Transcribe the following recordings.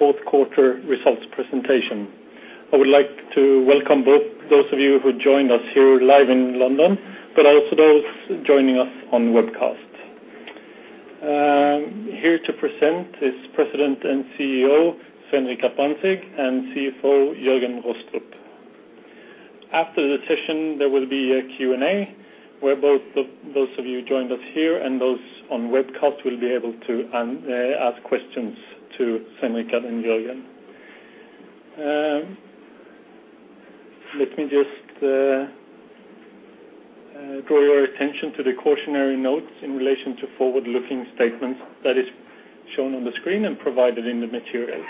Q4 results presentation. I would like to welcome both those of you who joined us here live in London, but also those joining us on webcast. Here to present is President and CEO, Svein Richard Brandtzæg, and CFO, Jørgen C. Arentz Rostrup. After the session, there will be a Q&A where both those of you who joined us here and those on webcast will be able to ask questions to Svein Richard Brandtzæg and Jørgen C. Arentz Rostrup. Let me just draw your attention to the cautionary notes in relation to forward-looking statements that is shown on the screen and provided in the materials.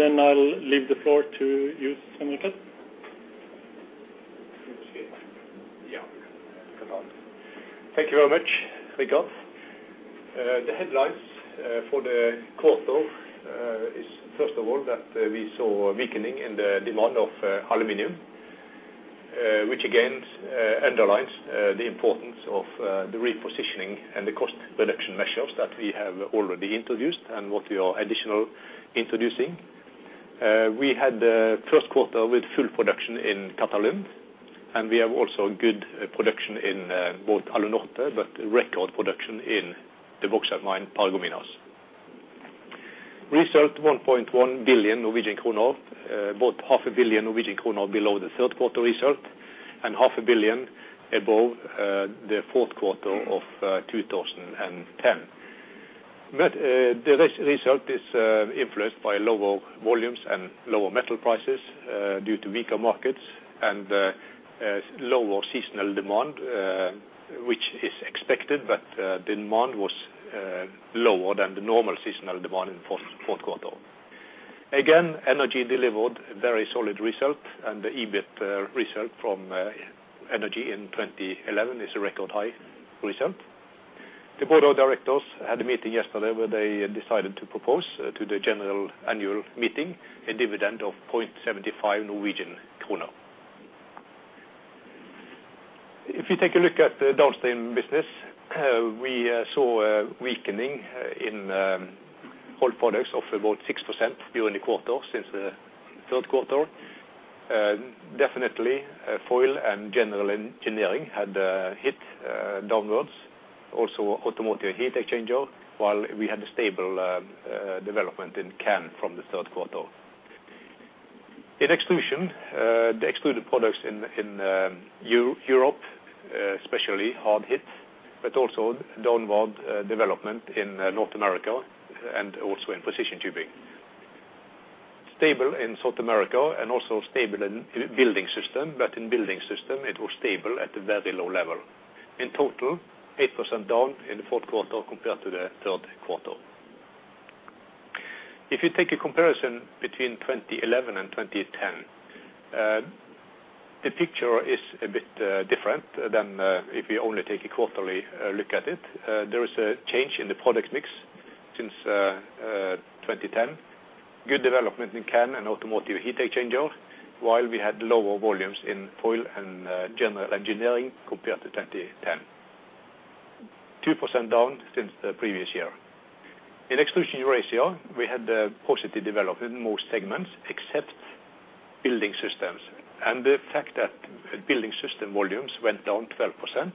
I'll leave the floor to you, Svein Richard Brandtzæg. Yeah. Thank you very much, Richard. The headlines for the quarter is first of all that we saw a weakening in the demand of aluminum, which again underlines the importance of the repositioning and the cost reduction measures that we have already introduced and what we are additional introducing. We had the Q1 with full production in Qatalum, and we have also good production in both Alunorte, but record production in the bauxite mine, Paragominas. Result 1.1 billion Norwegian kroner, about half a billion Norwegian krone below the Q3 result, and half a billion above the Q4 of 2010. The result is influenced by lower volumes and lower metal prices due to weaker markets and lower seasonal demand, which is expected, but the demand was lower than the normal seasonal demand in Q4. Again, Energy delivered very solid result, and the EBIT result from Energy in 2011 is a record high result. The Board of Directors had a meeting yesterday where they decided to propose to the general annual meeting a dividend of 0.75 Norwegian kroner. If you take a look at the downstream business, we saw a weakening in Rolled Products of about 6% during the quarter since the Q3. Definitely, foil and general engineering had hit downwards, also automotive heat exchanger, while we had a stable development in can from the third quarter. In extrusion, the Extruded Products in Europe especially hard hit, but also downward development in North America and also in precision tubing. Stable in South America and also stable in Building Systems, but in Building Systems it was stable at a very low level. In total, 8% down in the Q4 compared to the Q3. If you take a comparison between 2011 and 2010, the picture is a bit different than if you only take a quarterly look at it. There is a change in the product mix since 2010. Good development in can and automotive heat exchanger, while we had lower volumes in foil and general engineering compared to 2010. 2% down since the previous year. In Extrusion Eurasia, we had a positive development in most segments except Building Systems. The fact that Building Systems volumes went down 12%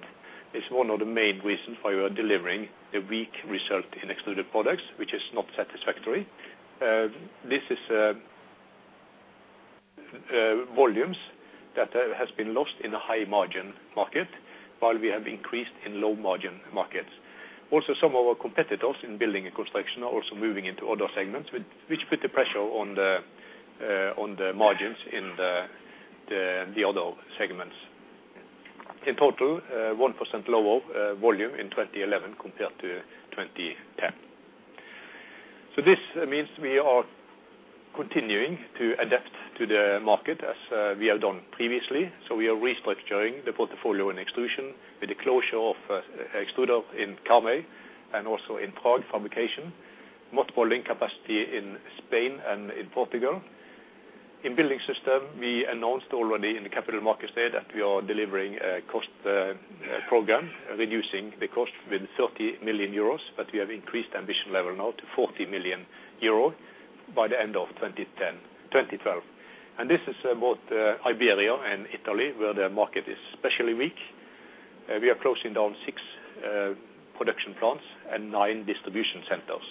is one of the main reasons why we are delivering a weak result in Extruded Products, which is not satisfactory. This is volumes that has been lost in a high margin market, while we have increased in low margin markets. Also, some of our competitors in building and construction are also moving into other segments which put the pressure on the margins in the other segments. In total, 1% lower volume in 2011 compared to 2010. This means we are continuing to adapt to the market as we have done previously. We are restructuring the portfolio in Extrusions with the closure of extruder in Carmaux and also in Prague fabrication, mothballing capacity in Spain and in Portugal. In Building Systems, we announced already in the Capital Markets Day that we are delivering a cost program, reducing the cost with 30 million euros, but we have increased ambition level now to 40 million euros by the end of 2012. This is both Iberia and Italy, where the market is especially weak. We are closing down six production plants and nine distribution centers,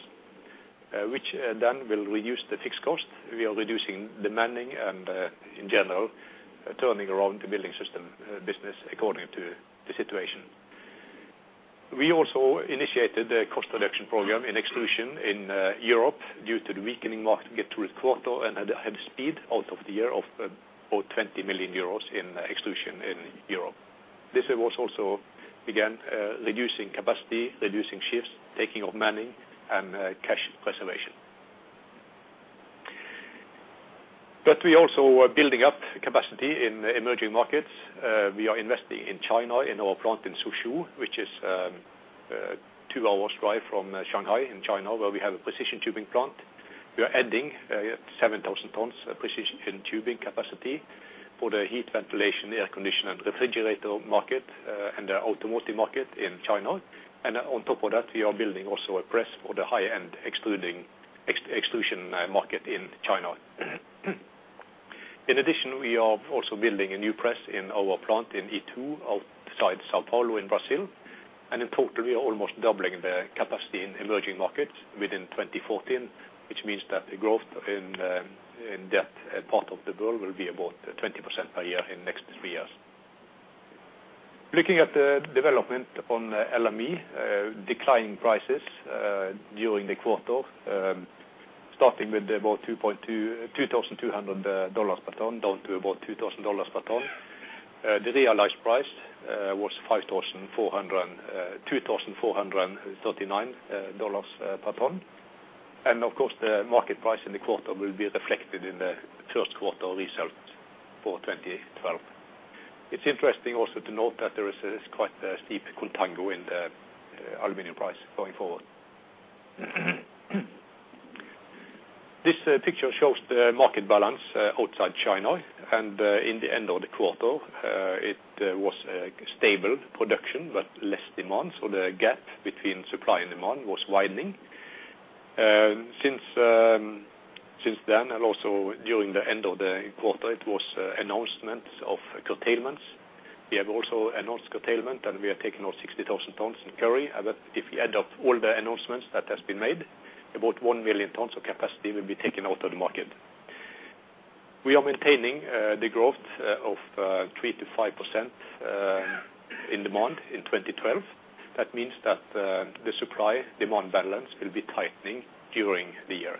which then will reduce the fixed cost. We are reducing the manning and in general, turning around the Building Systems business according to the situation. We also initiated a cost reduction program in Extrusions in Europe due to the weakening market through the quarter and had savings out of the year of about 20 million euros in Extrusions in Europe. This was also again reducing capacity, reducing shifts, taking out manning, and cash preservation. We also are building up capacity in the emerging markets. We are investing in China, in our plant in Suzhou, which is two-hour drive from Shanghai in China, where we have a precision tubing plant. We are adding 7,000 tons precision tubing capacity for the heating, ventilation, air conditioning, and refrigeration market and the automotive market in China. On top of that, we are building also a press for the high-end extrusion market in China. In addition, we are also building a new press in our plant in Itu outside São Paulo in Brazil. In total, we are almost doubling the capacity in emerging markets within 2014, which means that the growth in that part of the world will be about 20% per year in next three years. Looking at the development on LME, declining prices during the quarter, starting with about $2,200 per ton, down to about $2,000 per ton. The realized price was $2,439 per ton. Of course the market price in the quarter will be reflected in the Q1 results for 2012. It's interesting also to note that there is quite a steep contango in the aluminum price going forward. This picture shows the market balance outside China. In the end of the quarter, it was a stable production but less demand, so the gap between supply and demand was widening. Since then, and also during the end of the quarter, it was announcements of curtailments. We have also announced curtailment, and we are taking out 60,000 tons in Kurri Kurri. But if you add up all the announcements that has been made, about 1 million tons of capacity will be taken out of the market. We are maintaining the growth of 3%-5% in demand in 2012. That means that the supply-demand balance will be tightening during the year.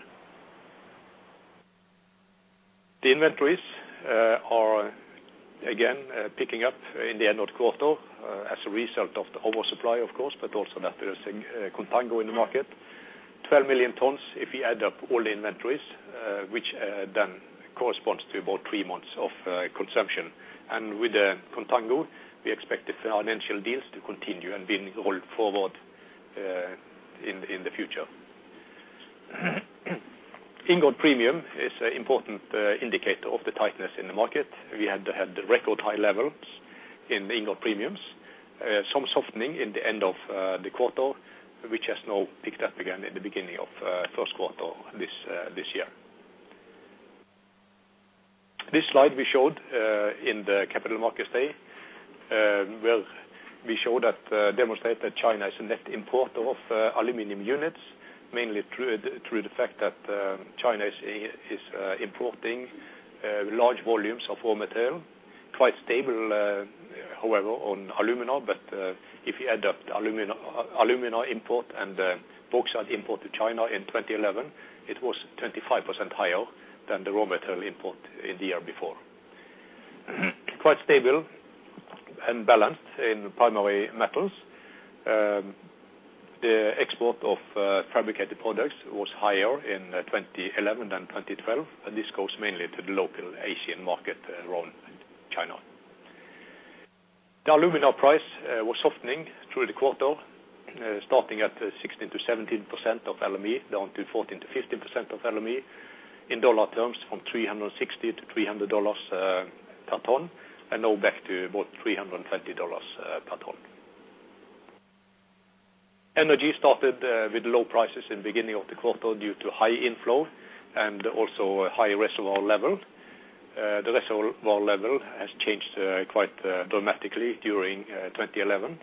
The inventories are again picking up in the end of the quarter as a result of the oversupply, of course, but also that there is a contango in the market. 12 million tons if you add up all the inventories, which then corresponds to about three months of consumption. With the contango, we expect the financial deals to continue and being rolled forward in the future. Ingot premium is an important indicator of the tightness in the market. We had the record high levels in the ingot premiums. Some softening in the end of the quarter, which has now picked up again at the beginning of Q1 this year. This slide we showed in the capital markets day where we show that demonstrate that China is a net importer of aluminum units mainly through the fact that China is importing large volumes of raw material. Quite stable however on alumina. If you add up the alumina import and the bauxite import to China in 2011 it was 25% higher than the raw material import in the year before. Quite stable and balanced in primary metals. The export of fabricated products was higher in 2011 than 2012 and this goes mainly to the local Asian market around China. The alumina price was softening through the quarter starting at 60%-70% of LME down to 14%-15% of LME. In dollar terms from $360-$300 per ton, and now back to about $320 per ton. Energy started with low prices in the beginning of the quarter due to high inflow and also a high reservoir level. The reservoir level has changed quite dramatically during 2011,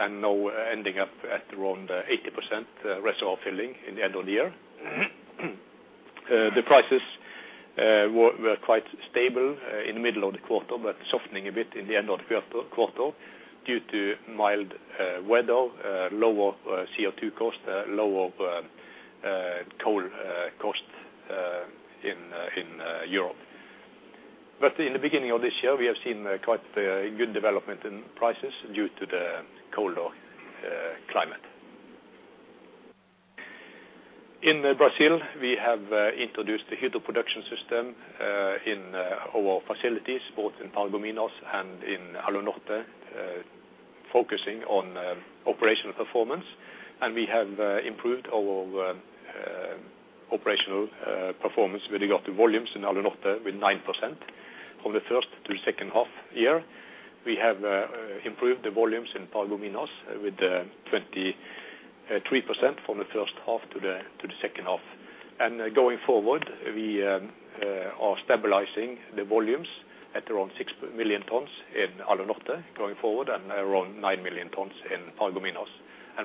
and now ending up at around 80% reservoir filling in the end of the year. The prices were quite stable in the middle of the quarter, but softening a bit in the end of the quarter due to mild weather, lower CO2 cost, lower coal cost in Europe. In the beginning of this year we have seen quite a good development in prices due to the colder climate. In Brazil, we have introduced the Hydro Production System in our facilities both in Paragominas and in Alunorte focusing on operational performance. We have improved our operational performance with regard to volumes in Alunorte with 9% from the first to second half year. We have improved the volumes in Paragominas with 23% from the first half to the second half. Going forward, we are stabilizing the volumes at around 6 million tons in Alunorte going forward and around 9 million tons in Paragominas.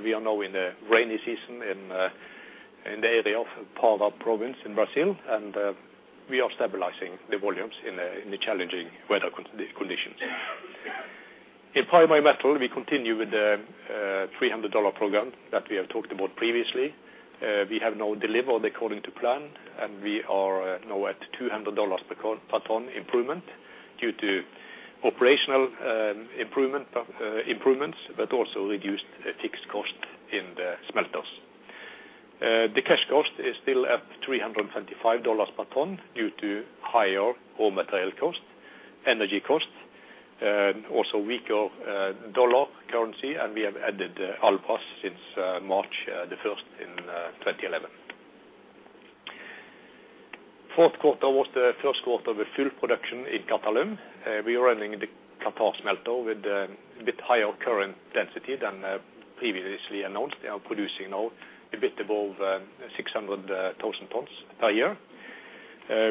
We are now in the rainy season in the area of Pará Province in Brazil. We are stabilizing the volumes in the challenging weather conditions. In Primary Metal, we continue with the $300 program that we have talked about previously. We have now delivered according to plan, and we are now at $200 per ton improvement due to operational improvements, but also reduced fixed cost in the smelters. The cash cost is still at $325 per ton due to higher raw material cost, energy costs, also weaker dollar currency, and we have added Albrás since March 1, 2011. Q4 was the Q1 with full production in Qatalum. We are running the Qatar smelter with a bit higher current density than previously announced. They are producing now a bit above 600,000 tons per year.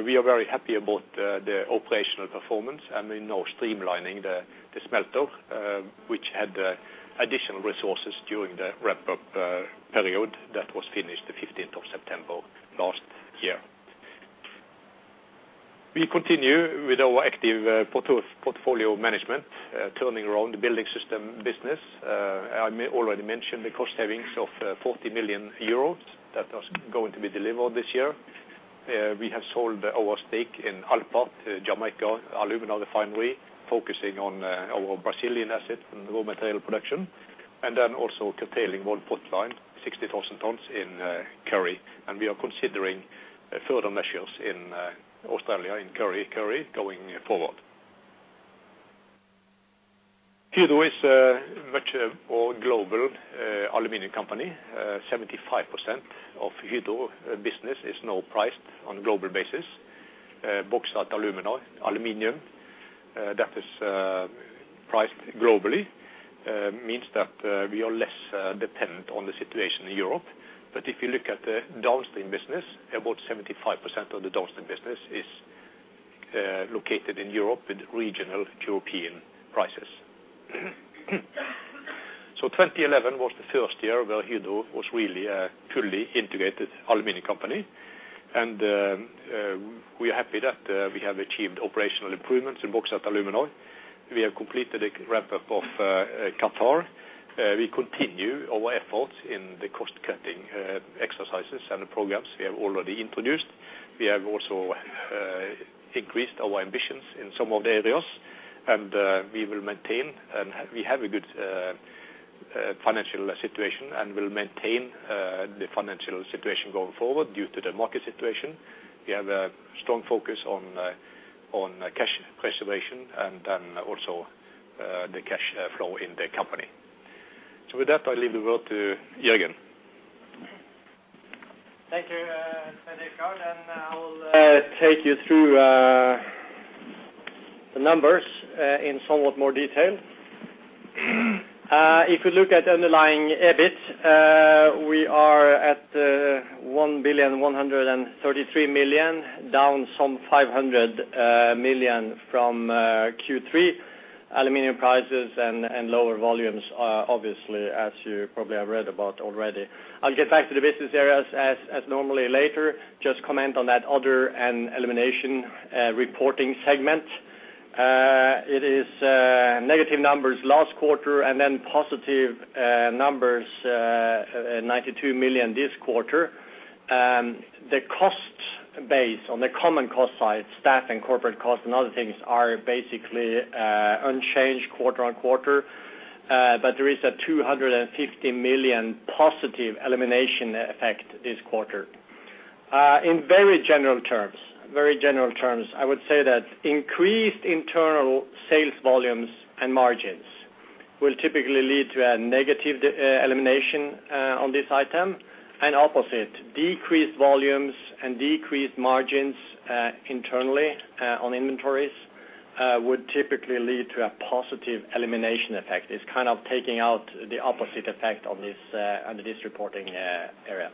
We are very happy about the operational performance, and we're now streamlining the smelter, which had additional resources during the ramp-up period that was finished the 15th of September last year. We continue with our active portfolio management, turning around the building systems business. I already mentioned the cost savings of 40 million euros that is going to be delivered this year. We have sold our stake in Alpart, Jamaica alumina refinery, focusing on our Brazilian asset and raw material production, and then also curtailing one product line, 60,000 tons in Kurri Kurri. We are considering further measures in Australia, in Kurri Kurri going forward. Hydro is much of our global aluminum company. 75% of Hydro business is now priced on a global basis. Bauxite & Alumina, that is priced globally, means that we are less dependent on the situation in Europe. If you look at the downstream business, about 75% of the downstream business is located in Europe with regional European prices. 2011 was the first year where Hydro was really a fully integrated aluminum company. We are happy that we have achieved operational improvements in Bauxite & Alumina. We have completed a ramp-up of Qatalum. We continue our efforts in the cost-cutting exercises and the programs we have already introduced. We have also increased our ambitions in some of the areas, and we have a good financial situation and will maintain the financial situation going forward due to the market situation. We have a strong focus on cash preservation and also the cash flow in the company. With that, I leave the word to Jørgen. Thank you, Svein Richard, and I will take you through the numbers in somewhat more detail. If you look at underlying EBIT, we are at 1,133 million, down some 500 million from Q3. Aluminum prices and lower volumes are obviously, as you probably have read about already. I'll get back to the business areas as normally later, just comment on that other and elimination reporting segment. It is negative numbers last quarter and then positive numbers 92 million this quarter. The cost base on the common cost side, staff and corporate costs and other things are basically unchanged quarter on quarter. But there is a 250 million positive elimination effect this quarter. In very general terms, I would say that increased internal sales volumes and margins will typically lead to a negative elimination on this item. Opposite, decreased volumes and decreased margins internally on inventories would typically lead to a positive elimination effect. It's kind of taking out the opposite effect on this under this reporting area.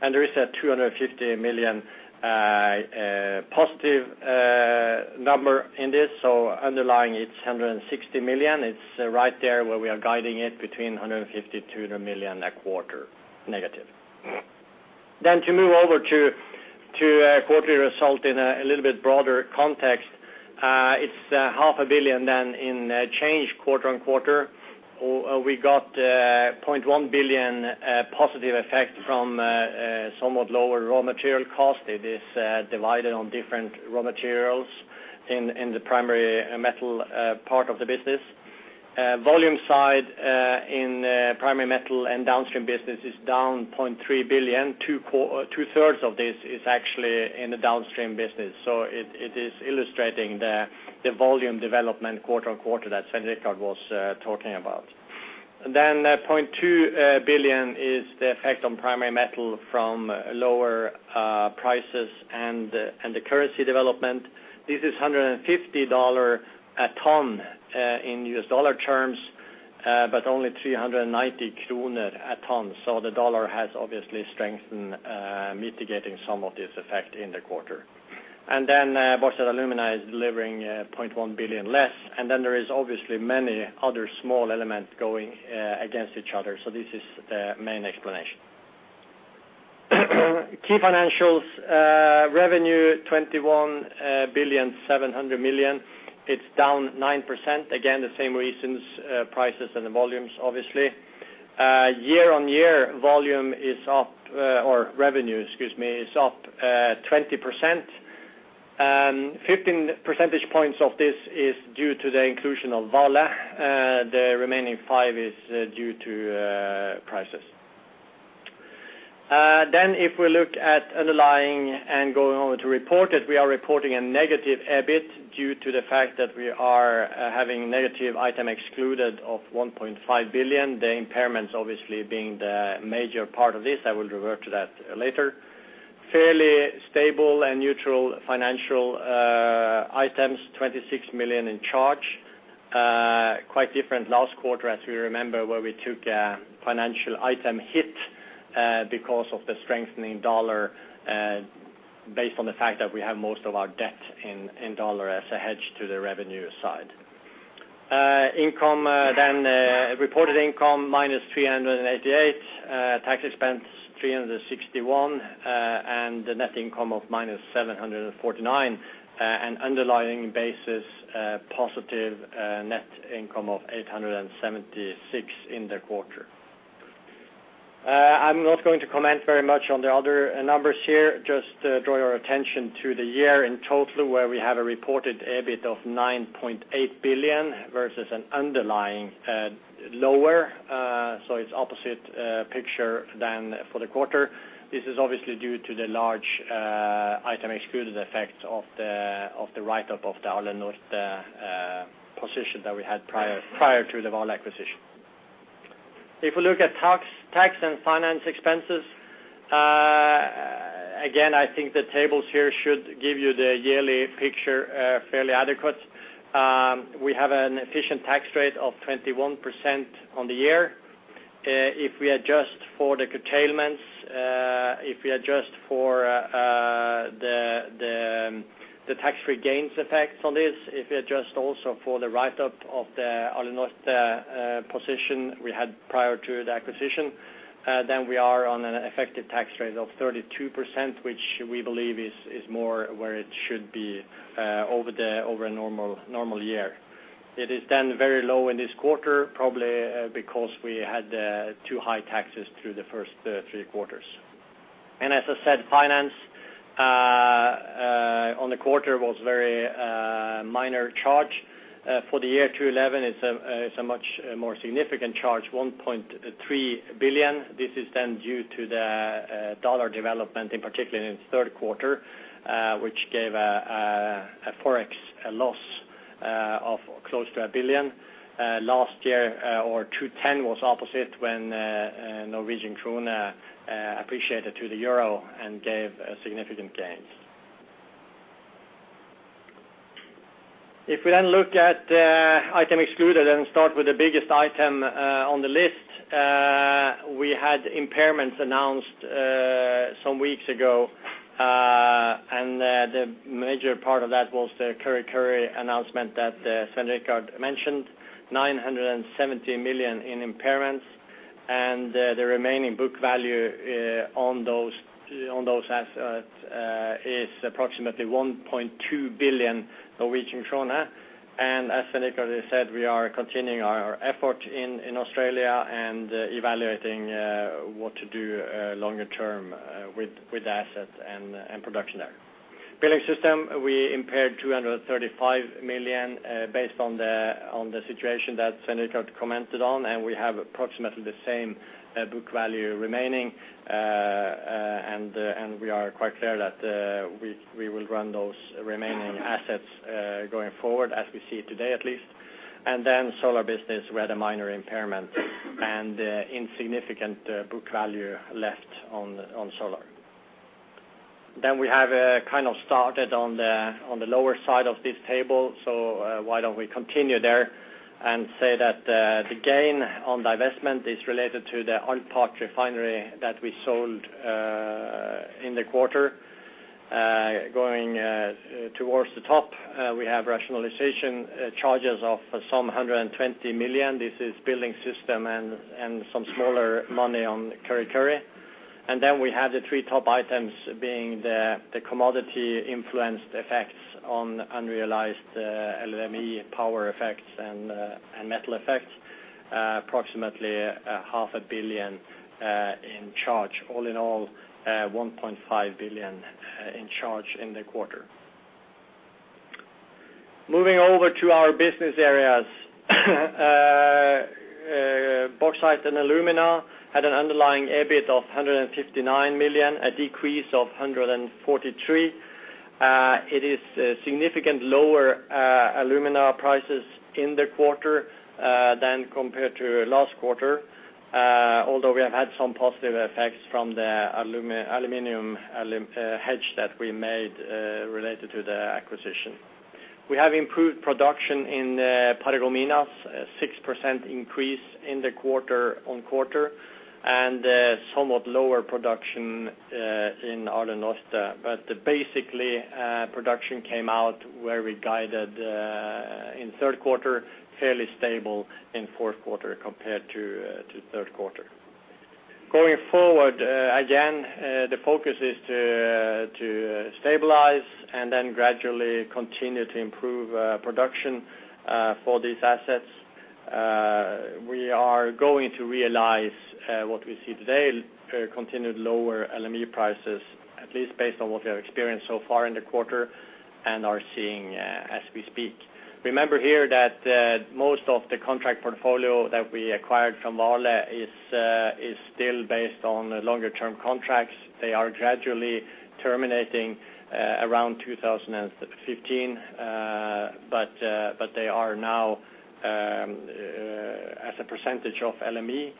There is a 250 million positive number in this, so underlying it's 160 million. It's right there where we are guiding it between 150 million-200 million a quarter negative. To move over to quarterly result in a little bit broader context. It's half a billion then in change quarter-on-quarter. We got 0.1 billion positive effect from somewhat lower raw material cost. It is divided on different raw materials in the Primary Metal part of the business. Volume side in Primary Metal and downstream business is down 0.3 billion. Two-thirds of this is actually in the downstream business. It is illustrating the volume development quarter-on-quarter that Svein Richard Brandtzæg was talking about. 0.2 billion is the effect on Primary Metal from lower prices and the currency development. This is $150 a ton in U.S. dollar terms but only 390 kroner a ton. The dollar has obviously strengthened mitigating some of this effect in the quarter. Bauxite & Alumina is delivering 0.1 billion less. There is obviously many other small elements going against each other. This is the main explanation. Key financials, revenue, 21.7 billion. It's down 9%. Again, the same reasons, prices and the volumes, obviously. Year on year, revenue, excuse me, is up 20%. Fifteen percentage points of this is due to the inclusion of Vale. The remaining five is due to prices. If we look at underlying EBIT. Going on with the report that we are reporting a negative EBIT due to the fact that we are having negative items excluded of 1.5 billion. The impairments obviously being the major part of this. I will revert to that later. Fairly stable and neutral financial items, 26 million in charge. Quite different last quarter, as we remember, where we took a financial item hit because of the strengthening dollar based on the fact that we have most of our debt in dollar as a hedge to the revenue side. Income then reported income -388, tax expense 361, and the net income of -749. An underlying basis, positive net income of 876 in the quarter. I'm not going to comment very much on the other numbers here, just draw your attention to the year in total, where we have a reported EBIT of 9.8 billion versus an underlying lower. It's opposite picture than for the quarter. This is obviously due to the large item-excluded effect of the write-up of the Alunorte position that we had prior to the Vale acquisition. If we look at tax and finance expenses, again, I think the tables here should give you the yearly picture fairly adequate. We have an effective tax rate of 21% for the year. If we adjust for the curtailments, if we adjust for the tax-free gains effects on this, if we adjust also for the write-up of the Alunorte position we had prior to the acquisition, then we are on an effective tax rate of 32%, which we believe is more where it should be over a normal year. It is then very low in this quarter, probably, because we had too high taxes through the first three quarters. As I said, financing on the quarter was very minor charge. For the year, 2011 is a much more significant charge, 1.3 billion. This is then due to the dollar development, in particular in the Q3, which gave a Forex loss of close to 1 billion. Last year, or 2010 was opposite when Norwegian krone appreciated to the euro and gave significant gains. If we then look at items excluded and start with the biggest item on the list, we had impairments announced some weeks ago. The major part of that was the Kurri Kurri announcement that Svein Richard Brandtzæg mentioned, 970 million in impairments. The remaining book value on those assets is approximately NOK 1.2 billion. As Svein Richard Brandtzæg said, we are continuing our effort in Australia and evaluating what to do longer term with assets and production there. Building Systems, we impaired 235 million based on the situation that Svein Richard Brandtzæg commented on, and we have approximately the same book value remaining. We are quite clear that we will run those remaining assets going forward, as we see it today at least. Solar business, we had a minor impairment and insignificant book value left on solar. We have kind of started on the lower side of this table. Why don't we continue there and say that the gain on divestment is related to the Alpart refinery that we sold in the quarter. Going towards the top, we have rationalization charges of some 120 million. This is Building Systems and some smaller money on Kurri Kurri. We have the three top items being the commodity influenced effects on unrealized LME power effects and metal effects, approximately half a billion in charge. All in all, one point five billion in charge in the quarter. Moving over to our business areas, Bauxite & Alumina had an underlying EBIT of 159 million, a decrease of 143. It is significantly lower alumina prices in the quarter compared to last quarter, although we have had some positive effects from the alumina hedge that we made related to the acquisition. We have improved production in Paragominas, a 6% increase quarter-over-quarter, and somewhat lower production in Alunorte. Production came out where we guided in Q3, fairly stable in Q4 compared to Q3. Going forward, again, the focus is to stabilize and then gradually continue to improve production for these assets. We are going to realize what we see today, continued lower LME prices, at least based on what we have experienced so far in the quarter and are seeing as we speak. Remember here that most of the contract portfolio that we acquired from Vale is still based on longer term contracts. They are gradually terminating around 2015. But they are now as a percentage of LME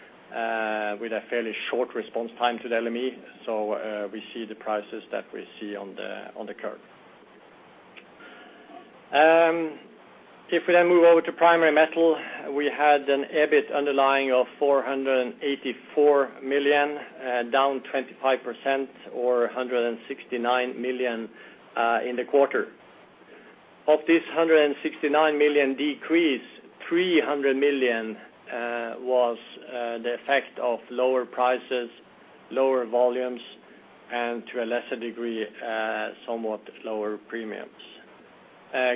with a fairly short response time to the LME. We see the prices that we see on the curve. If we then move over to Primary Metal, we had an EBIT underlying of 484 million, down 25% or 169 million in the quarter. Of this 169 million decrease, 300 million was the effect of lower prices, lower volumes, and to a lesser degree, somewhat lower premiums.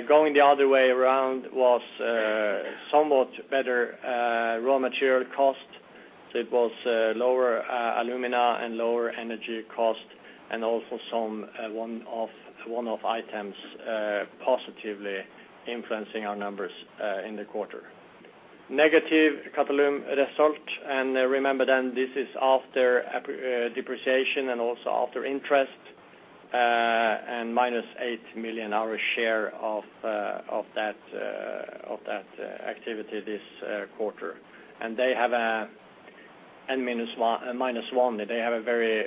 Going the other way around was somewhat better raw material cost. It was lower alumina and lower energy cost, and also some one-off items positively influencing our numbers in the quarter. Negative Qatalum result, and remember then this is after depreciation and also after interest, and minus 8 million our share of that activity this quarter. They have a... Minus one, they have a very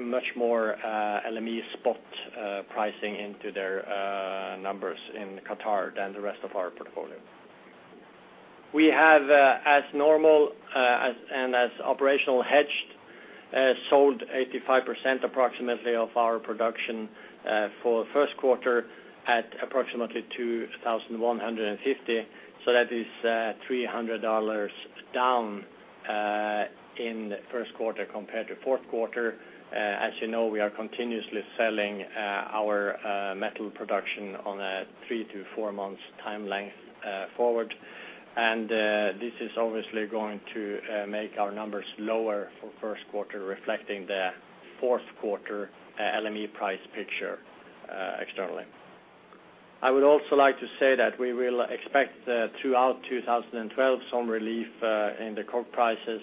much more LME spot pricing into their numbers in Qatar than the rest of our portfolio. We have, as normal, as operationally hedged, sold approximately 85% of our production for Q1 at approximately $2,150. That is $300 down in Q1 compared to Q4. As you know, we are continuously selling our metal production on a 3- to 4-month time length forward. This is obviously going to make our numbers lower for Q1, reflecting the Q4 LME price picture externally. I would also like to say that we will expect throughout 2012 some relief in the coke prices.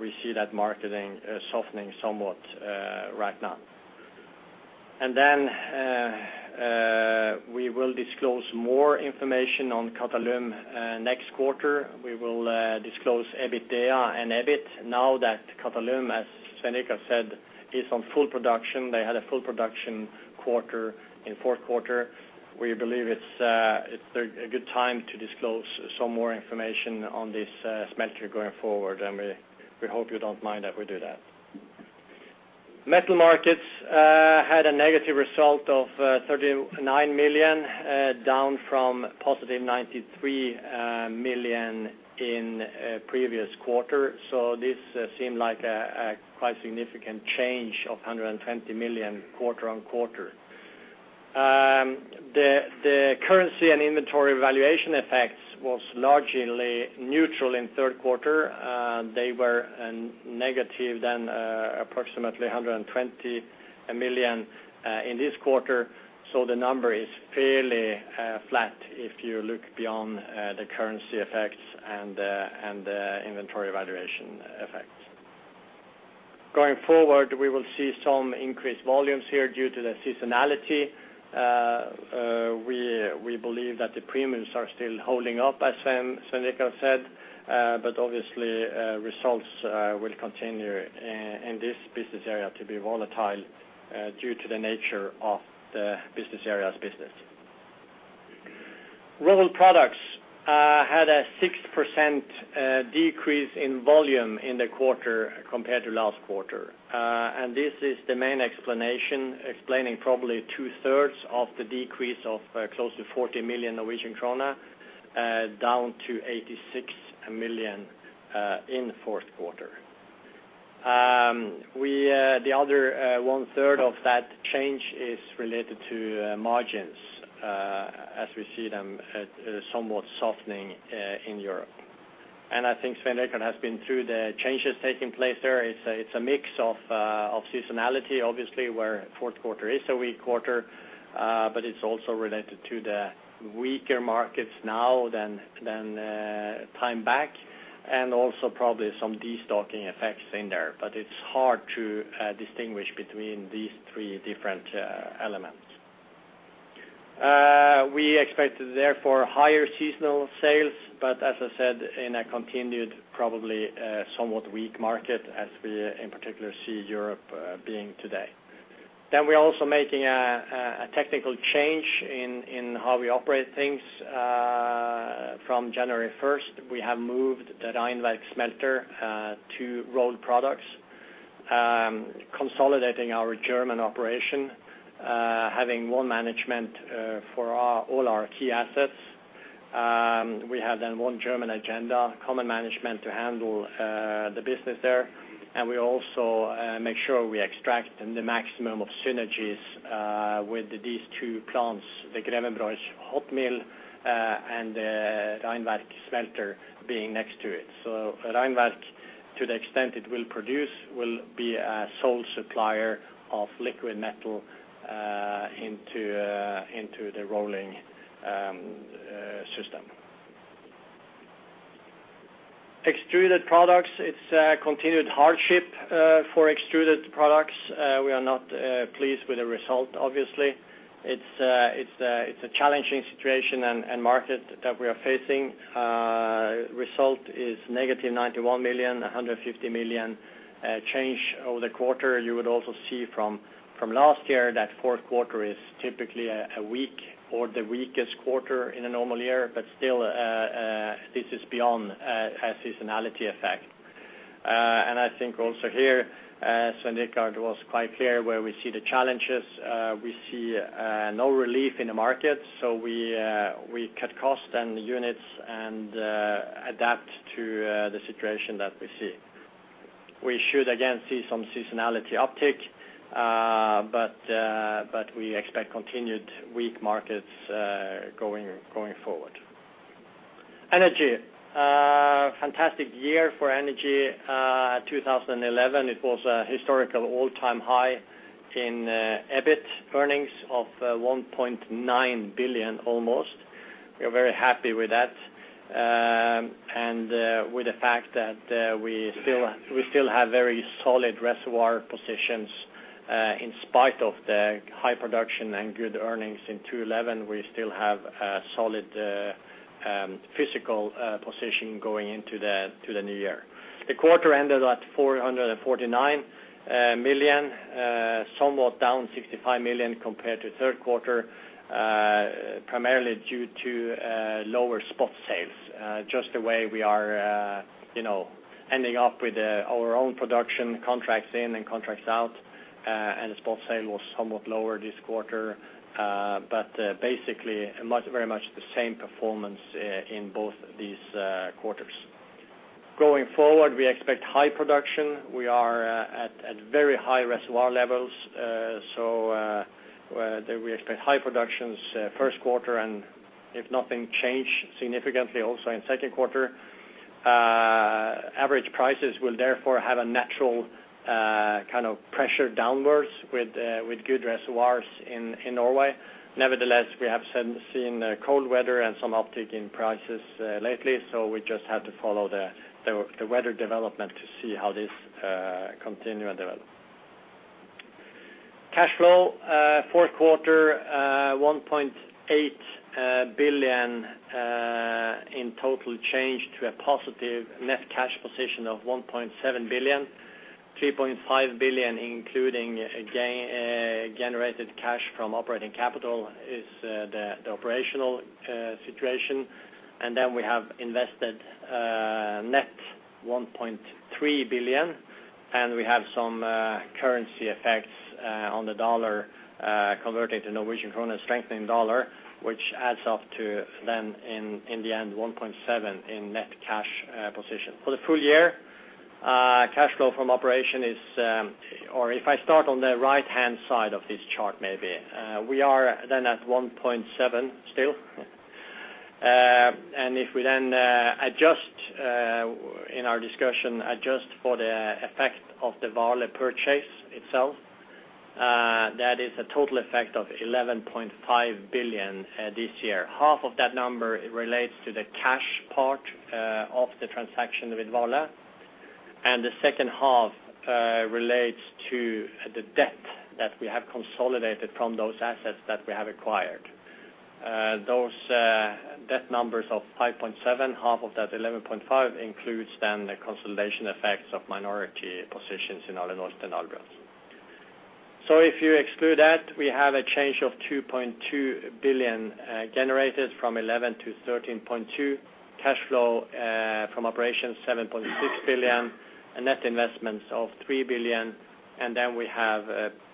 We see that marketing softening somewhat right now. We will disclose more information on Qatalum next quarter. We will disclose EBITDA and EBIT. Now that Qatalum, as Svein Richard Brandtzæg said, is on full production. They had a full production quarter in Q4. We believe it's a good time to disclose some more information on this smelter going forward, and we hope you don't mind that we do that. Metal Markets had a negative result of 39 million down from positive 93 million in previous quarter. This seemed like a quite significant change of 120 million quarter on quarter. The currency and inventory valuation effects was largely neutral in Q3. They were negative at approximately 120 million in this quarter. The number is fairly flat if you look beyond the currency effects and the inventory valuation effects. Going forward, we will see some increased volumes here due to the seasonality. We believe that the premiums are still holding up, as Svein Richard Brandtzæg said. But obviously, results will continue in this business area to be volatile due to the nature of the business area's business. Rolled Products had a 6% decrease in volume in the quarter compared to last quarter. This is the main explanation explaining probably two-thirds of the decrease of close to 40 million Norwegian krone down to 86 million in Q4. The other one-third of that change is related to margins as we see them somewhat softening in Europe. I think Svein Richard Brandtzæg has been through the changes taking place there. It's a mix of seasonality, obviously, where Q4 is a weak quarter. It's also related to the weaker markets now than time back, and also probably some destocking effects in there. It's hard to distinguish between these three different elements. We expect therefore higher seasonal sales, but as I said, in a continued probably somewhat weak market as we in particular see Europe being today. We're also making a technical change in how we operate things. From January first, we have moved the Rheinwerk smelter to Rolled Products, consolidating our German operation, having one management for all our key assets. We have then one German agenda, common management to handle the business there. We also make sure we extract the maximum of synergies with these two plants, the Grevenbroich hot mill and Rheinwerk smelter being next to it. Rheinwerk, to the extent it will produce, will be a sole supplier of liquid metal into the rolling system. Extruded Products. It's continued hardship for Extruded Products. We are not pleased with the result, obviously. It's a challenging situation and market that we are facing. Result is -91 million, 150 million change over the quarter. You would also see from last year that Q4 is typically a weak or the weakest quarter in a normal year. Still, this is beyond a seasonality effect. I think also here, Svein Richard Brandtzæg was quite clear where we see the challenges. We see no relief in the market, so we cut costs and units and adapt to the situation that we see. We should again see some seasonality uptick, but we expect continued weak markets going forward. Energy. Fantastic year for energy. 2011, it was a historical all-time high in EBIT earnings of 1.9 billion almost. We are very happy with that. With the fact that we still have very solid reservoir positions in spite of the high production and good earnings in 2011, we still have a solid physical position going into the new year. The quarter ended at 449 million, somewhat down 65 million compared to Q3, primarily due to lower spot sales. Just the way we are, you know, ending up with our own production contracts in and contracts out, and spot sale was somewhat lower this quarter. Basically, very much the same performance in both these quarters. Going forward, we expect high production. We are at very high reservoir levels. We expect high productions Q1, if nothing change significantly also in Q2. Average prices will therefore have a natural kind of pressure downwards with good reservoirs in Norway. Nevertheless, we have seen cold weather and some uptick in prices lately, so we just had to follow the weather development to see how this continue and develop. Cash flow Q4 1.8 billion in total change to a positive net cash position of 1.7 billion, 3.5 billion, including generated cash from operating capital is the operational situation. We have invested net 1.3 billion, and we have some currency effects on the dollar converted to Norwegian krone strengthening dollar, which adds up to then in the end 1.7 billion in net cash position. For the full year, cash flow from operation is, or if I start on the right-hand side of this chart maybe, we are then at 1.7 billion still. If we then adjust in our discussion for the effect of the Vale purchase itself, that is a total effect of 11.5 billion this year. Half of that number relates to the cash part of the transaction with Vale, and the second half relates to the debt that we have consolidated from those assets that we have acquired. Those debt numbers of 5.7, half of that 11.5 includes then the consolidation effects of minority positions in Alunorte and Albrás. If you exclude that, we have a change of 2.2 billion generated from 11 to 13.2. Cash flow from operations, 7.6 billion, net investments of 3 billion, and then we have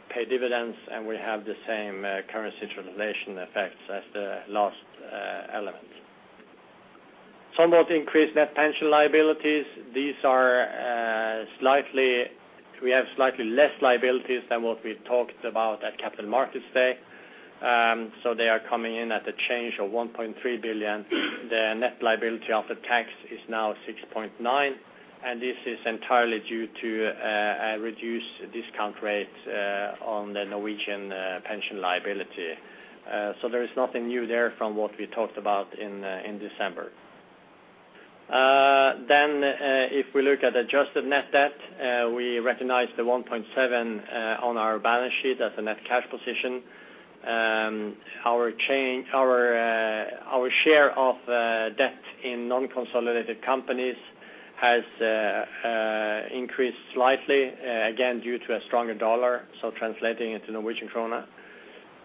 paid dividends, and we have the same currency translation effects as the last element. Somewhat increased net pension liabilities. We have slightly less liabilities than what we talked about at Capital Markets Day. They are coming in at a change of 1.3 billion. The net liability after tax is now 6.9 billion, and this is entirely due to a reduced discount rate on the Norwegian pension liability. There is nothing new there from what we talked about in December. If we look at adjusted net debt, we recognize 1.7 on our balance sheet as a net cash position. Our share of debt in non-consolidated companies has increased slightly, again, due to a stronger dollar, so translating into Norwegian krone.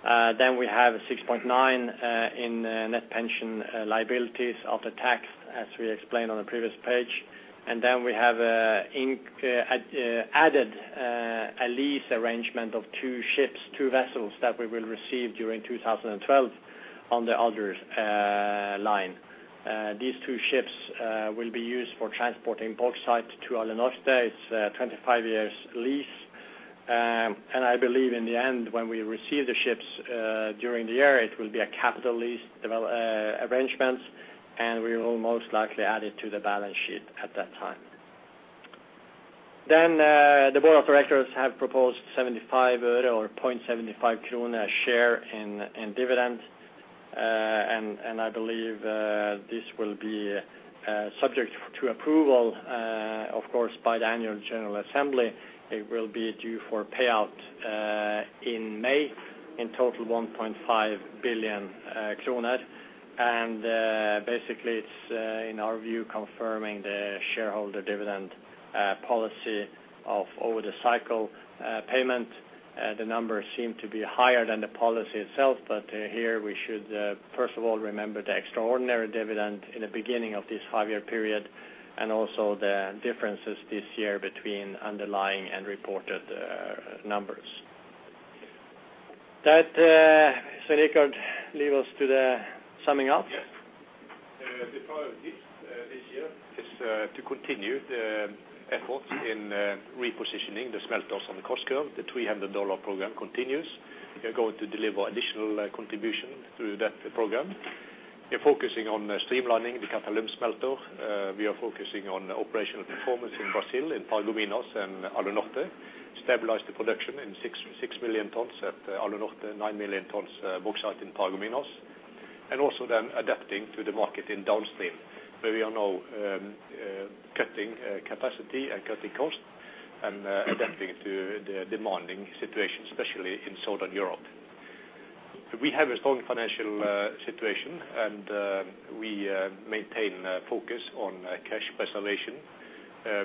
We have 6.9 in net pension liabilities after tax, as we explained on the previous page. We have added a lease arrangement of two ships, two vessels that we will receive during 2012 on the others line. These two ships will be used for transporting bauxite to Alunorte. It's 25-year lease. I believe in the end, when we receive the ships during the year, it will be a capital lease arrangements, and we will most likely add it to the balance sheet at that time. The board of directors have proposed 0.75 krone per share in dividends. I believe this will be subject to approval, of course, by the annual general assembly. It will be due for payout in May, in total 1.5 billion kroner. Basically it's in our view confirming the shareholder dividend policy of over the cycle payment. The numbers seem to be higher than the policy itself, but here we should first of all remember the extraordinary dividend in the beginning of this five-year period, and also the differences this year between underlying and reported numbers. That, Richard, lead us to the summing up. Yes. The priorities this year is to continue the efforts in repositioning the smelters on the cost curve. The $300 program continues. We are going to deliver additional contribution through that program. We're focusing on streamlining the Qatalum smelter. We are focusing on operational performance in Brazil, in Paragominas and Alunorte, stabilize the production in 6 million tons at Alunorte, 9 million tons bauxite in Paragominas. We are adapting to the market in downstream, where we are now cutting capacity and cutting costs and adapting to the demanding situation, especially in Southern Europe. We have a strong financial situation, and we maintain focus on cash preservation,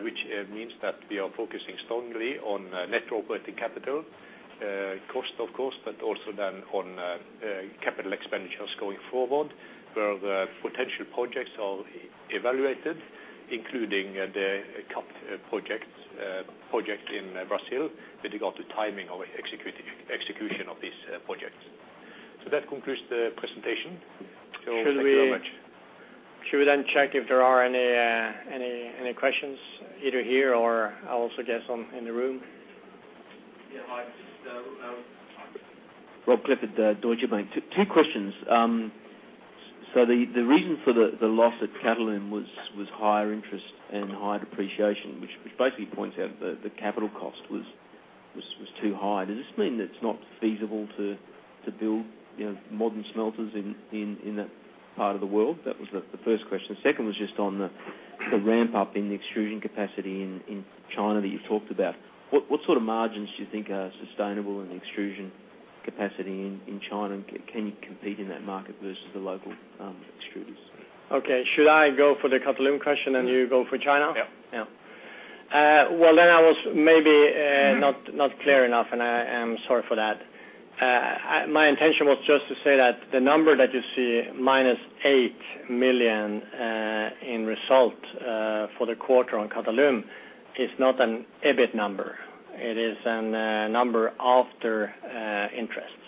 which means that we are focusing strongly on net operating capital costs, of course, but also then on capital expenditures going forward, where the potential projects are evaluated, including the CAP project in Brazil, with regard to timing of execution of these projects. That concludes the presentation. Thank you very much. Should we then check if there are any questions, either here or I also guess online, in the room? Hi, Rob Clifford at Deutsche Bank. 2 questions. The reason for the loss at Qatalum was higher interest and higher depreciation, which basically points out the capital cost was too high. Does this mean it's not feasible to build, you know, modern smelters in that part of the world? That was the first question. The second was just on the ramp up in the extrusion capacity in China that you talked about. What sort of margins do you think are sustainable in the extrusion capacity in China? Can you compete in that market versus the local extruders? Okay. Should I go for the Qatalum question, and you go for China? Yeah. Yeah. Well, I was maybe not clear enough, and I am sorry for that. My intention was just to say that the number that you see, -8 million, in result, for the quarter on Qatalum is not an EBIT number. It is a number after interests.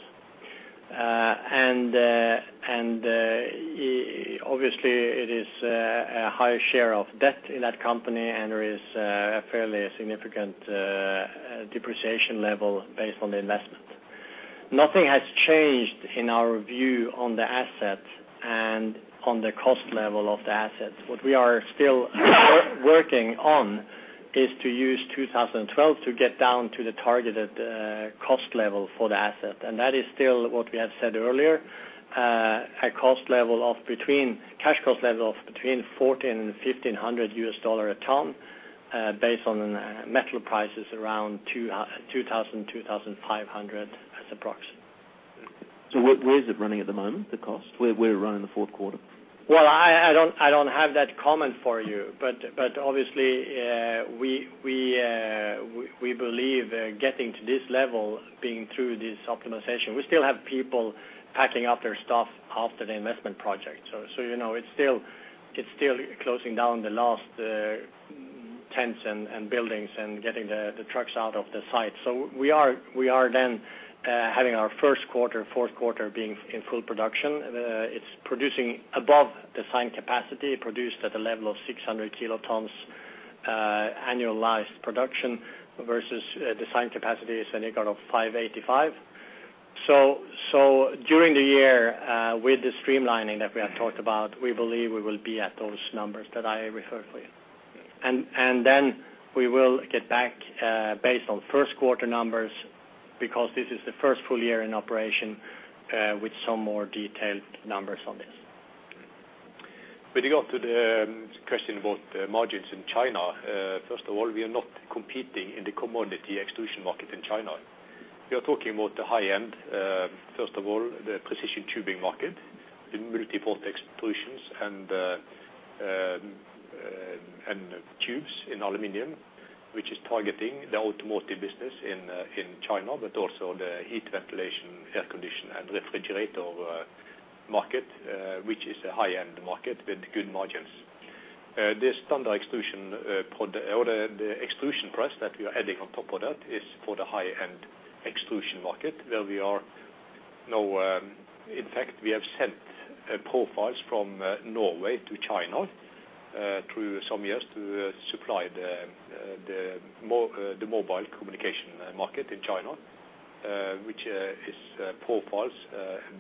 Obviously it is a higher share of debt in that company, and there is a fairly significant depreciation level based on the investment. Nothing has changed in our view on the asset and on the cost level of the asset. What we are still working on is to use 2012 to get down to the targeted cost level for the asset. That is still what we have said earlier, cash cost level of between $1,400-$1,500 a ton, based on metal prices around $2,000-$2,500 as approximate. Where is it running at the moment, the cost? Where are we running in the Q4? I don't have that comment for you. Obviously, we believe getting to this level, being through this optimization, we still have people packing up their stuff after the investment project. You know, it's still closing down the last tents and buildings and getting the trucks out of the site. We are then having our Q4 being in full production. It's producing above design capacity, produced at a level of 600 kilotons annualized production versus design capacity is in regard to 585. During the year, with the streamlining that we have talked about, we believe we will be at those numbers that I referred to you. We will get back, based on Q1 numbers, because this is the first full year in operation, with some more detailed numbers on this. With regard to the question about the margins in China, first of all, we are not competing in the commodity extrusion market in China. We are talking about the high end, first of all, the precision tubing market in multi-port extrusions and aluminum tubes, which is targeting the automotive business in China, but also the heating, ventilation, air conditioning, and refrigeration market, which is a high-end market with good margins. This standard extrusion profile or the extrusion press that we are adding on top of that is for the high-end extrusion market, where we are now, in fact, we have sent profiles from Norway to China through some years to supply the mobile communication market in China. Which is profiles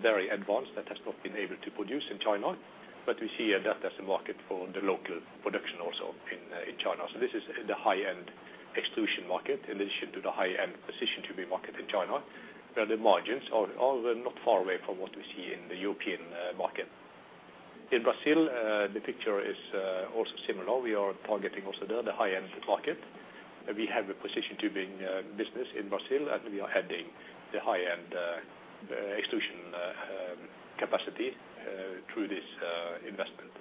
very advanced that has not been able to produce in China. We see that as a market for the local production also in China. This is the high-end extrusion market, in addition to the high-end precision tubing market in China, where the margins are not far away from what we see in the European market. In Brazil, the picture is also similar. We are targeting also there the high-end market. We have a precision tubing business in Brazil, and we are adding the high-end extrusion capacity through this investment.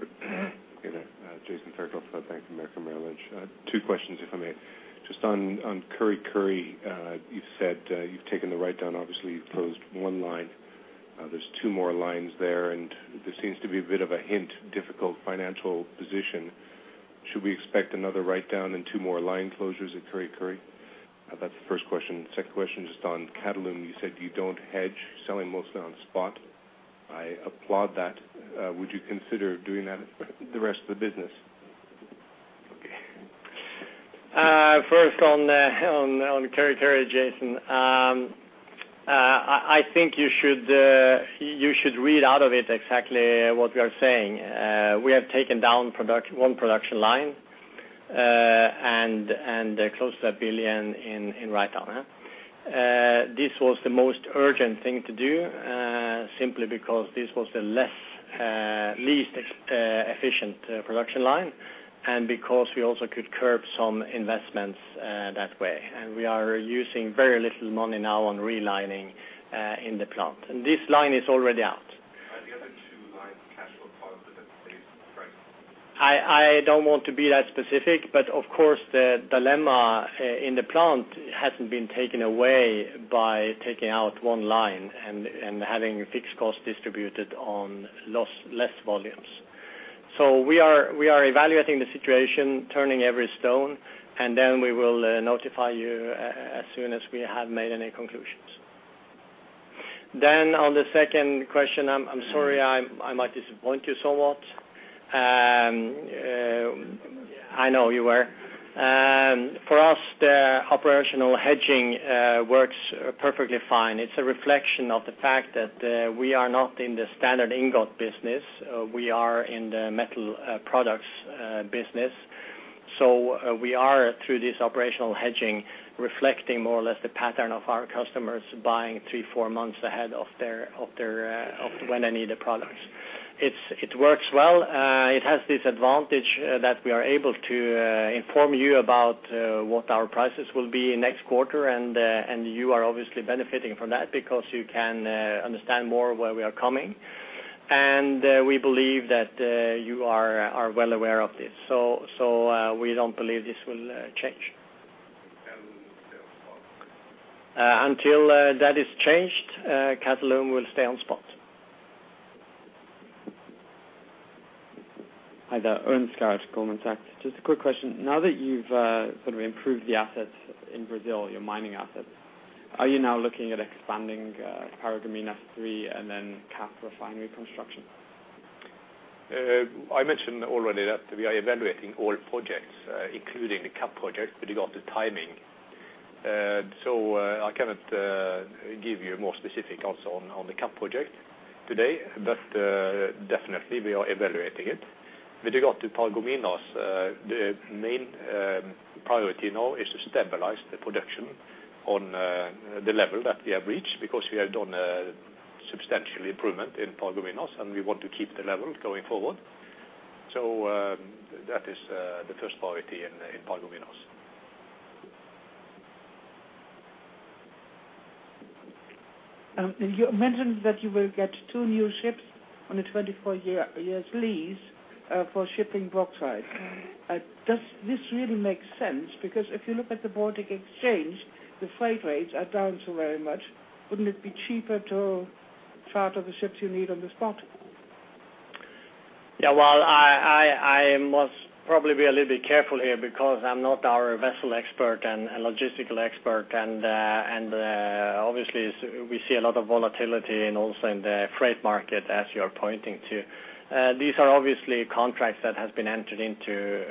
Okay, Jason Fairclough from Bank of America Merrill Lynch. Two questions, if I may. Just on Kurri Kurri, you said you've taken the write-down. Obviously you've closed one line. There's two more lines there, and there seems to be a bit of a hint, difficult financial position. Should we expect another write-down and two more line closures at Kurri Kurri? That's the first question. Second question, just on Qatalum, you said you don't hedge, selling mostly on spot. I applaud that. Would you consider doing that for the rest of the business? Okay. First on Kurri Kurri, Jason. I think you should read out of it exactly what we are saying. We have taken down one production line and closed a 1 billion writedown, yeah? This was the most urgent thing to do simply because this was the least efficient production line and because we also could curb some investments that way. We are using very little money now on relining in the plant. This line is already out. Are the other two lines cash flow positive at today's price? I don't want to be that specific, but of course, the dilemma in the plant hasn't been taken away by taking out one line and having fixed costs distributed on less volumes. We are evaluating the situation, turning every stone, and then we will notify you as soon as we have made any conclusions. On the second question, I'm sorry, I might disappoint you somewhat. For us, the operational hedging works perfectly fine. It's a reflection of the fact that we are not in the standard ingot business. We are in the metal products business. We are, through this operational hedging, reflecting more or less the pattern of our customers buying three, four months ahead of their of when they need the products. It works well. It has this advantage that we are able to inform you about what our prices will be next quarter, and you are obviously benefiting from that because you can understand more where we are coming from. We believe that you are well aware of this. We don't believe this will change. Stay on spot? Until that is changed, Qatalum will stay on spot. Hi there. Ernst Skarstad, Goldman Sachs. Just a quick question. Now that you've sort of improved the assets in Brazil, your mining assets, are you now looking at expanding Paragominas III and then CAP refinery construction? I mentioned already that we are evaluating all projects, including the CAP project with regard to timing. I cannot give you more specific answer on the CAP project today, but definitely we are evaluating it. With regard to Paragominas, the main priority now is to stabilize the production on the level that we have reached because we have done a substantial improvement in Paragominas, and we want to keep the level going forward. That is the first priority in Paragominas. You mentioned that you will get 2 new ships on a 24-year lease for shipping bauxite. Does this really make sense? Because if you look at the Baltic Exchange, the freight rates are down so very much. Wouldn't it be cheaper to charter the ships you need on the spot? Yeah, well, I must probably be a little bit careful here because I'm not our vessel expert and logistical expert. Obviously we see a lot of volatility and also in the freight market, as you're pointing to. These are obviously contracts that has been entered into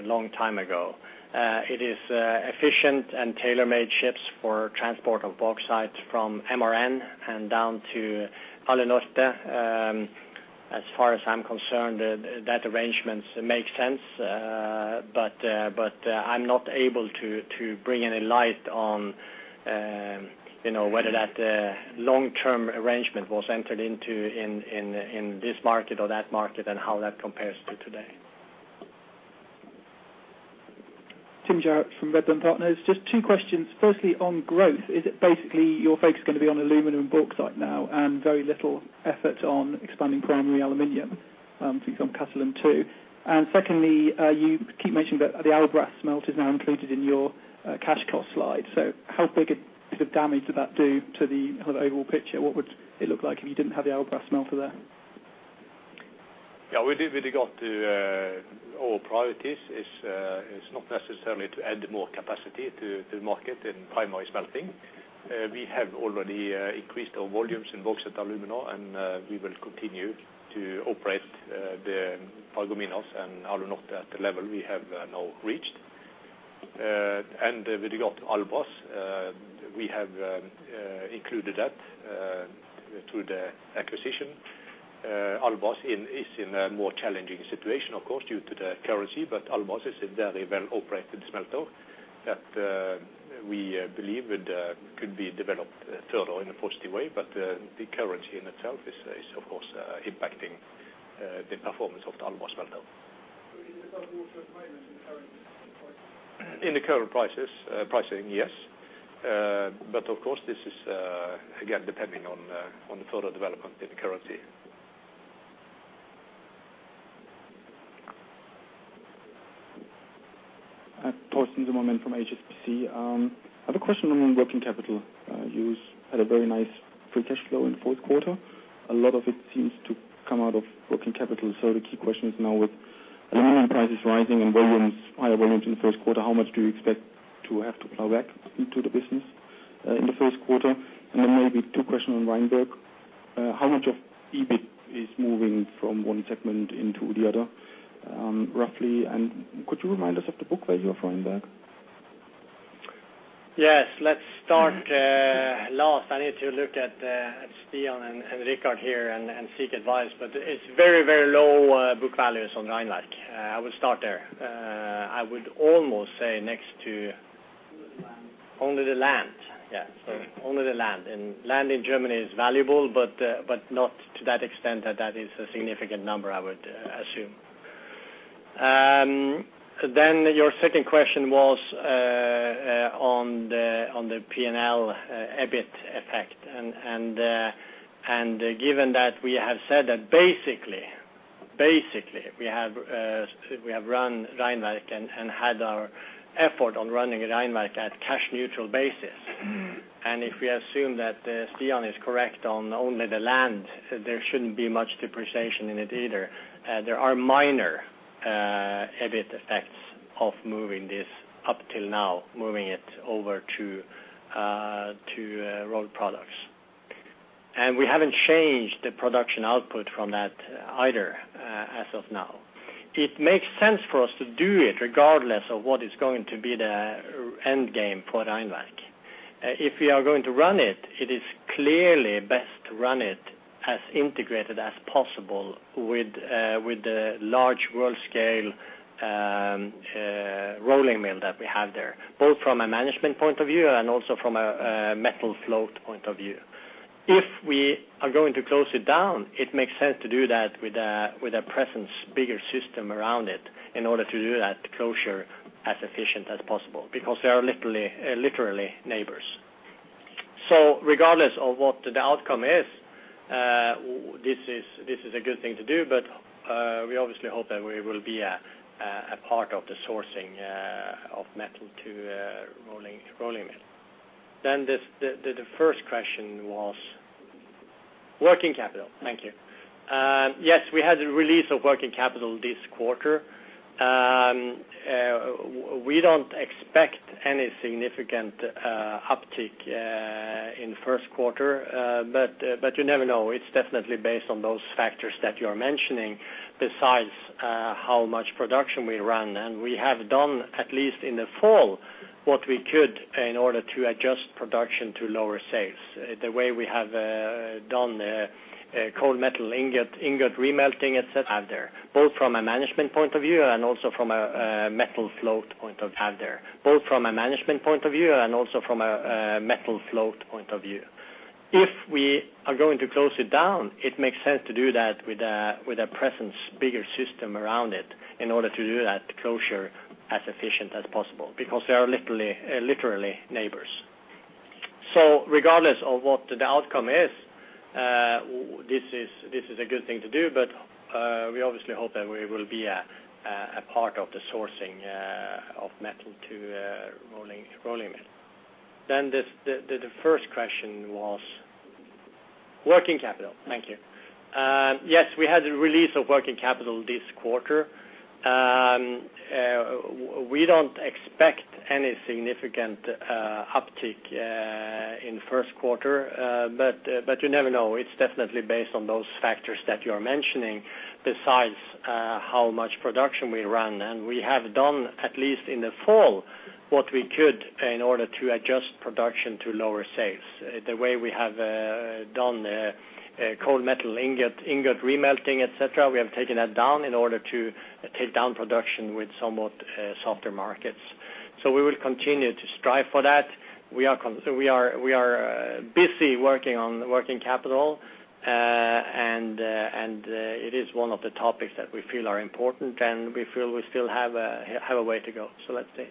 a long time ago. It is efficient and tailor-made ships for transport of bauxite from MRN and down to Alunorte. As far as I'm concerned, that arrangement makes sense. I'm not able to bring any light on, you know, whether that long-term arrangement was entered into in this market or that market and how that compares to today. Tim Jarrett from Redburn Partners. Just two questions. Firstly, on growth, is it basically your focus gonna be on bauxite and alumina now and very little effort on expanding primary aluminum? From Qatalum too. Secondly, you keep mentioning that the Albrás smelter is now included in your cash cost slide. So how big a hit did that do to the whole overall picture? What would it look like if you didn't have the Albrás smelter there? Yeah, with regard to our priorities, it is not necessarily to add more capacity to market in primary smelting. We have already increased our volumes in Bauxite & Alumina, and we will continue to operate the Paragominas and Alunorte at the level we have now reached. With regard to Albrás, we have included that through the acquisition. Albrás is in a more challenging situation, of course, due to the currency. Albrás is a very well-operated smelter that we believe it could be developed further in a positive way. The currency in itself is, of course, impacting the performance of Albrás smelter. Is it above water at the moment in current pricing? In the current pricing, yes. Of course, this is again depending on the further development of the currency. I have Thorsten Zimmermann from HSBC. I have a question on working capital. You've had a very nice free cash flow in the Q4. A lot of it seems to come out of working capital. The key question is now with alumina prices rising and volumes, higher volumes in the Q1, how much do you expect to have to plow back into the business, in the Q1? Maybe two questions on Rheinwerk. How much of EBIT is moving from one segment into the other, roughly? Could you remind us of the book value of Rheinwerk? Yes. Let's start last. I need to look at Stian and Richard here and seek advice, but it's very, very low book values on Rheinwerk. I will start there. I would almost say next to- Only the land. Only the land. Land in Germany is valuable, but not to that extent that that is a significant number, I would assume. Then your second question was on the P&L EBIT effect. Given that we have said that basically we have run Rheinwerk and had our effort on running Rheinwerk at cash neutral basis. If we assume that Stian is correct on only the land, there shouldn't be much depreciation in it either. There are minor EBIT effects of moving this up till now, moving it over to Rolled Products. We haven't changed the production output from that either, as of now. It makes sense for us to do it regardless of what is going to be the end game for Rheinwerk. If we are going to run it is clearly best to run it as integrated as possible with the large world scale rolling mill that we have there. Both from a management point of view and also from a metal flow point of view. If we are going to close it down, it makes sense to do that with a presence bigger system around it in order to do that closure as efficient as possible, because they are literally neighbors. Regardless of what the outcome is, this is a good thing to do, but we obviously hope that we will be a part of the sourcing of metal to rolling mill. The first question was working capital. Thank you. Yes, we had a release of working capital this quarter. We don't expect any significant uptick in Q1. You never know. It's definitely based on those factors that you're mentioning, besides how much production we run. We have done, at least in the fall, what we could in order to adjust production to lower sales. The way we have done cold metal ingot remelting, et cetera. Out there, both from a management point of view and also from a metal flow point of view. Out there, both from a management point of view and also from a metal flow point of view. If we are going to close it down, it makes sense to do that with a bigger system around it in order to do that closure as efficient as possible, because they are literally neighbors. Regardless of what the outcome is, this is a good thing to do, but we obviously hope that we will be a part of the sourcing of metal to rolling mill. The first question was working capital. Thank you. Yes, we had a release of working capital this quarter. We don't expect any significant uptick in Q1. You never know. It's definitely based on those factors that you're mentioning, besides, how much production we run. We have done, at least in the fall, what we could in order to adjust production to lower sales. The way we have done, cold metal ingot remelting, et cetera. We have taken that down in order to take down production with somewhat, softer markets. We will continue to strive for that. We are busy working on working capital. It is one of the topics that we feel are important, and we feel we still have a way to go. Let's see.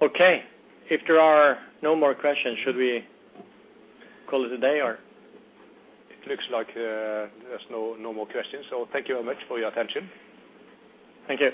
Okay. If there are no more questions, should we call it a day or? It looks like, there's no more questions. Thank you very much for your attention. Thank you.